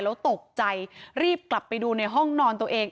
แล้วตกใจรีบกลับไปดูในห้องนอนตัวเอง